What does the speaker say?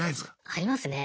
ありますね。